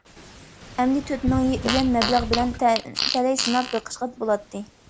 ئەمدى تۆت مىڭ يۈەن مەبلەغ بىلەن تەلەي سىناپ بېقىشقا بولاتتى.